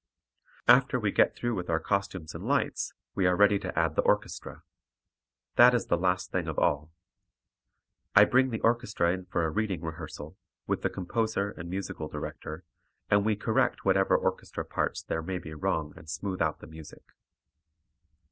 After we get through with our costumes and lights, we are ready to add the orchestra. That is the last thing of all. I bring the orchestra in for a reading rehearsal, with the composer and musical director, and we correct whatever orchestra parts there may be wrong and smooth out the music.